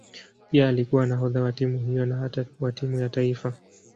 Pia alikuwa nahodha wa timu hiyo na hata wa timu ya taifa.